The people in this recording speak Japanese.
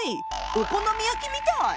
お好み焼きみたい。